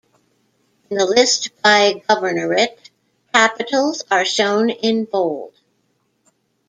In the list by governorate capitals are shown in bold.